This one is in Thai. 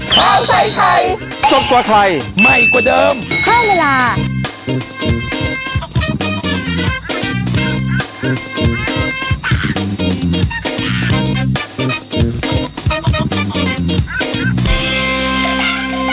โปรดติดตามตอนต่อไป